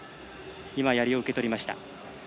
今、やりを受け取りました。